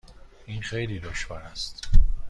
این خیلی دشوار است.